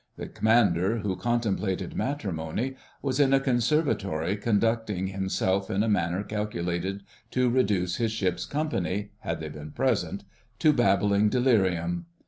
The Commander, who contemplated matrimony, was in a conservatory conducting himself in a manner calculated to reduce his ship's company—had they been present—to babbling delirium.